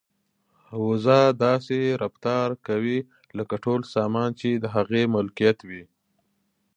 وزه داسې رفتار کوي لکه ټول سامان چې د هغې ملکیت وي.